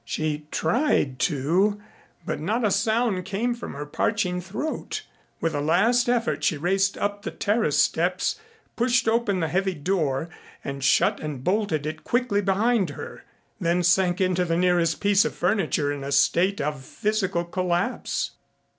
She tried to, but not a sound came from her parching throat. With a last effort she raced up the terrace steps, pushed open the heavy door and shut and bolted it quickly behind her. Then sank into the nearest piece of furniture in a state of physical collapse.